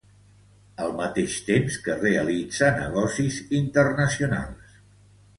Al mateix temps que realitza negocis internacionals.